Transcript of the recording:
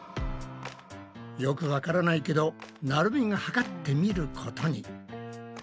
よくわからないけどなるみが測ってみることに。